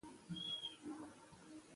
ټول ښار به په بيرغونو پوښل شوی وي.